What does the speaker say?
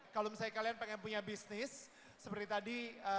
kalau misalnya kalian pengen punya bisnis seperti tadi